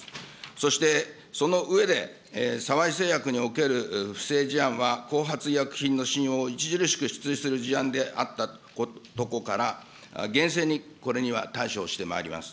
そして、その上で、さわい製薬における不正事案は、後発医薬品の信用を著しく失墜する事案であったことから、厳正にこれには対処してまいります。